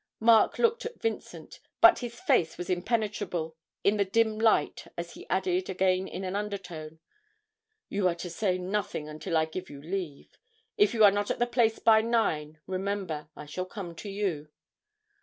Mark looked at Vincent, but his face was impenetrable in the dim light as he added, again in an undertone, 'You are to say nothing until I give you leave. If you are not at the place by nine, remember, I shall come to you.'